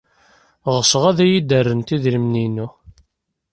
Ɣseɣ ad iyi-d-rrent idrimen-inu.